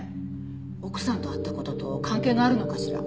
奥さんと会った事と関係があるのかしら。